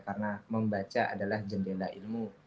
karena membaca adalah jendela ilmu